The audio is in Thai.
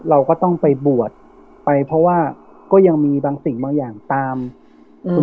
เราก็ต้องไปบวชไปเพราะว่าก็ยังมีบางสิ่งบางอย่างตามอืม